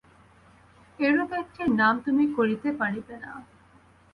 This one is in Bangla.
এরূপ একটির নাম তুমি করিতে পারিবে না।